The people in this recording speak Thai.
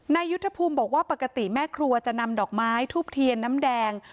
นายยุทธภูมิบอกว่าปกติแม่ครัวจะนำดอกไม้ทูบเทียนน้ำแดง